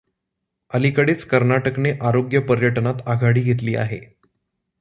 अलीकडेच कर्नाटकने आरोग्य पर्यटनात आघाडी घेतली आहे.